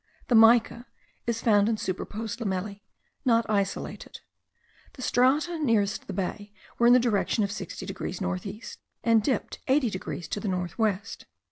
The mica is found in superposed lamellae, not isolated. The strata nearest the bay were in the direction of 60 degrees north east, and dipped 80 degrees to north west.